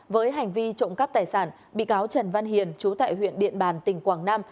với hành vi trộm cắp tài sản bị cáo trần văn hiền chú tại huyện điện bàn tỉnh quảng nam